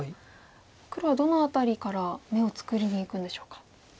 黒はどの辺りから眼を作りにいくんでしょうか。